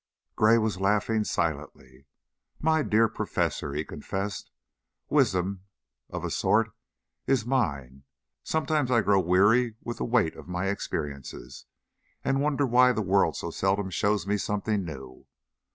Gray was laughing silently. "My dear Professor," he confessed, "wisdom, of a sort, is mine; sometimes I grow weary with the weight of my experiences and wonder why the world so seldom shows me something new.